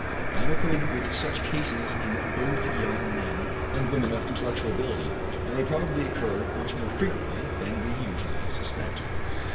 I am acquainted with such cases in both young men and women of intellectual ability, and they probably occur much more frequently than we usually suspect.